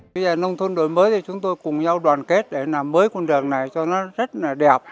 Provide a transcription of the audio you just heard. bây giờ nông thôn đổi mới thì chúng tôi cùng nhau đoàn kết để làm mới con đường này cho nó rất là đẹp